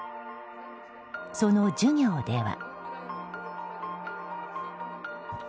その授業では。